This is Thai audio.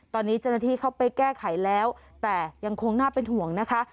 ตอนนี้เจ้าหน้าที่เข้าไปแก้ไขแล้วแต่ยังคงน่าเป็นห่วงนะคะ